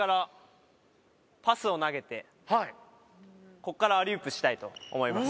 ここからアリウープしたいと思います。